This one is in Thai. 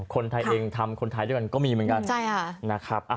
คนไทยเองทำคนไทยด้วยก็มีเหมือนกัน